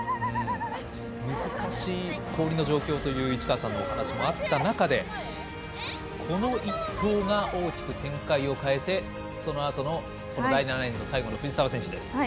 難しい氷の状況という市川さんのお話もあった中で、この１投が大きく展開を変えてそのあとの第７エンド最後の藤澤選手です。